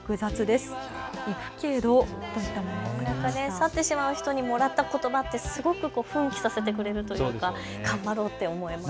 去ってしまう人にもらったことばってすごく奮起させてくれるというか頑張ろうって思いますよね。